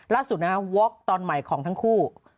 ล่าสุดนะฮะวอคตอนใหม่ของทั้งคู่